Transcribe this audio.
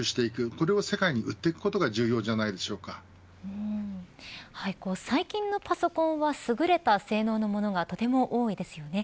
これを世界に売っていくことが最近のパソコンは、優れた性能のものがとても多いですよね。